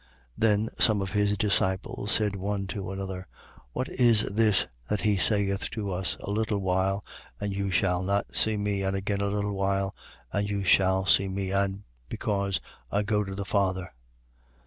16:17. Then some of his disciples said one to another: What is this that he saith to us: A little while, and you shall not see me: and again a little while, and you shall see me, and, Because I go to the Father?